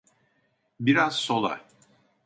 Biraz sola.